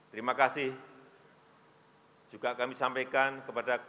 terima kasih juga kami sampaikan kepada